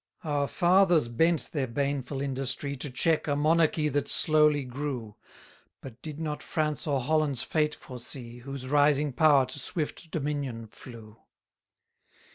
199 Our fathers bent their baneful industry, To check a, monarchy that slowly grew; But did not France or Holland's fate foresee, Whose rising power to swift dominion flew.